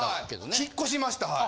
引っ越しましたはい。